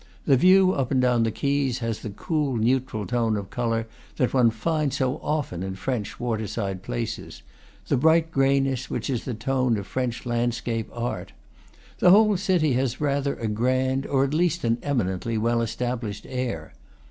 The view up and down the quays has the cool, neutral tone of color that one finds so often in French water side places, the bright grayness which is the tone of French land scape art. The whole city has rather a grand, or at least an eminently well established air.